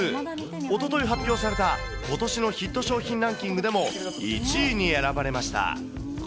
おととい発表されたことしのヒット商品ランキングでも１位に選ばれました。